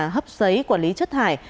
hấp giấy quản lý chất thải